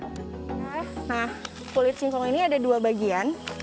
nah kulit singkong ini ada dua bagian